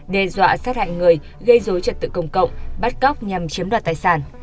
đe dọa sát hại người gây dối trật tự công cộng bắt cóc nhằm chiếm đoạt tài sản